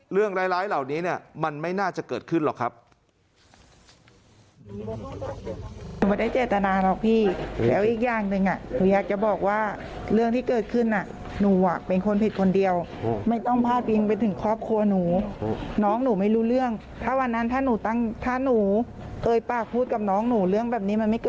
เรื่องร้ายเหล่านี้เนี่ยมันไม่น่าจะเกิดขึ้นหรอกครับ